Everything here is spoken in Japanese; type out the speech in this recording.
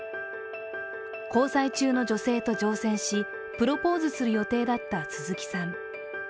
交際中の女性と乗船し、プロポーズする予定だった鈴木さん。